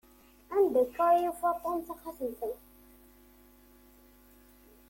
Anda akka i yufa Tom taxatemt-a?